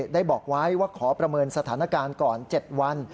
ได้บอกไว้ว่าขอประเมินสถานการณ์ก่อน๗วัน